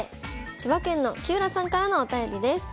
千葉県の喜浦さんからのお便りです。